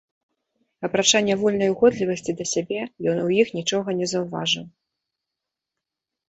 Апрача нявольнай угодлівасці да сябе, ён у іх нічога не заўважыў.